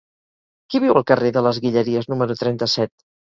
Qui viu al carrer de les Guilleries número trenta-set?